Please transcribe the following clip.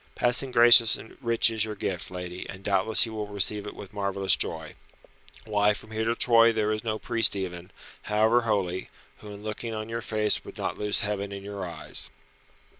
"Passing gracious and rich is your gift, lady, and doubtless he will receive it with marvellous joy. Why, from here to Troy there is no priest even, however holy, who in looking on your face would not lose Heaven in your eyes."